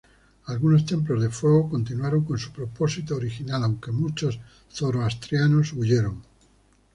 Algunos templos de fuego continuaron con su propósito original aunque muchos zoroastrianos huyeron.